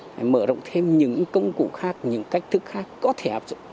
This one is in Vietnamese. các công cụ khác những cách thức khác có thể hợp dụng